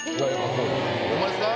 ホンマですか？